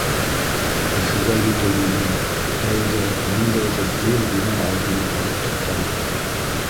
Өфөгә етеү менән тәүҙә ниндәйҙер ҙур бина алдына барып туҡтаныҡ.